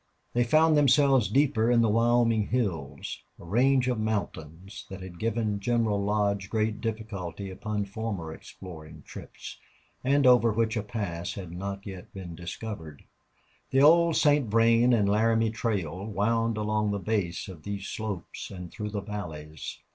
They found themselves deeper in the Wyoming hills, a range of mountains that had given General Lodge great difficulty upon former exploring trips, and over which a pass had not yet been discovered. The old St. Vrain and Laramie Trail wound along the base of these slopes and through the valleys.